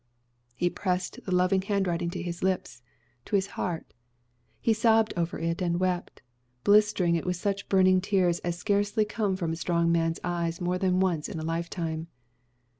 He pressed the loved handwriting to his lips, to his heart. He sobbed over it and wept; blistering it with such burning tears as scarcely come from a strong man's eyes more than once in a lifetime.